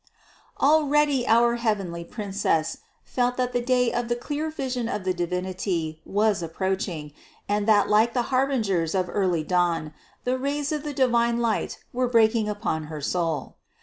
Already our heavenly Princess felt that the day of the clear vision of the Divinity was approaching and that like the harbingers of early dawn, the rays of the divine light were breaking upon her soul.